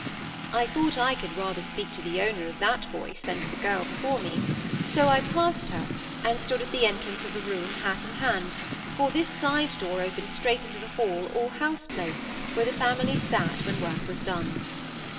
I thought I could rather speak to the owner of that voice than to the girl before me; so I passed her, and stood at the entrance of a room hat in hand, for this side door opened straight into the hall or house place where the family sate when work was done.